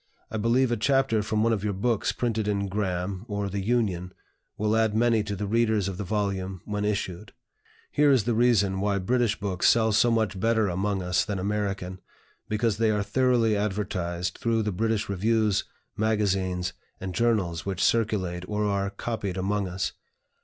I believe a chapter from one of your books printed in 'Graham,' or 'The Union,' will add many to the readers of the volume when issued. Here is the reason why British books sell so much better among us than American, because they are thoroughly advertised through the British reviews, magazines, and journals which circulate or are copied among us.